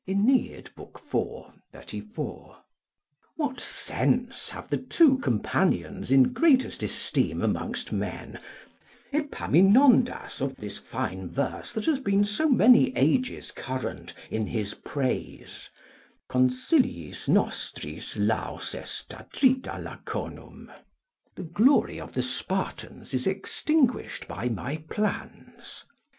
AEneid, iv. 34.] What sense have the two companions in greatest esteem amongst me, Epaminondas, of this fine verse that has been so many ages current in his praise, "Consiliis nostris laus est attrita Laconum;" ["The glory of the Spartans is extinguished by my plans.